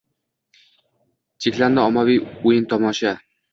Cheklandi ommaviy o’yin-tomosha.